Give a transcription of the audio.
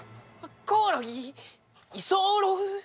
コオロギ？居候？